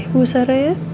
bu sarah ya